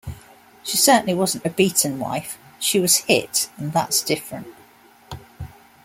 She certainly wasn't a beaten wife, she was hit and that's different.